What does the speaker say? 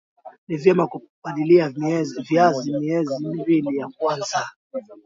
ni vyema kupalilia viazi miezi miwili ya kwanza